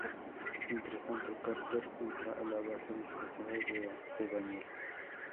Mientras tanto, Carter entra a la base disfrazada de Daniel.